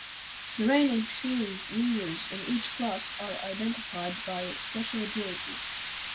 The reigning series leaders in each class are identified by a special jersey.